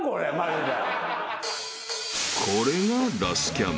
［これがラスキャン］